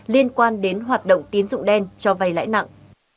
liên quan đến hoạt động tiến dụng đen cho vai lãi nặng